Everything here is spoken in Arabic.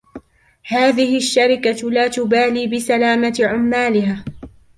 هذه الشركة لا تبالي بسلامة عمالها.